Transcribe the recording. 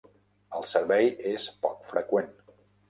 El servei és poc freqüent.